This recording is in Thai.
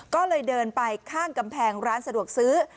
ก็เลยเดินไปข้างกำแพงร้านสะดวกซื้อ